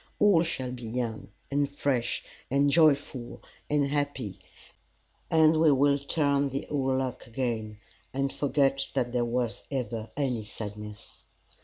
All shall be young, and fresh, and joyful, and happy, and we will turn the old luck again, and forget that there was ever any sadness.